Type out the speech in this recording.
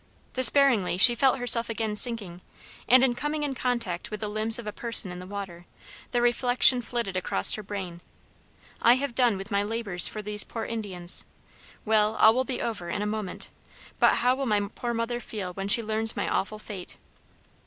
Despairingly she felt herself again sinking, and, coming in contact with the limbs of a person in the water, the reflection flitted across her brain, "I have done with my labors for these poor Indians. Well, all will be over in a moment; but how will my poor mother feel when she learns my awful fate?"